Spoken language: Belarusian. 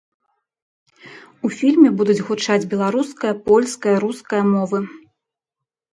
У фільме будуць гучаць беларуская, польская, руская мовы.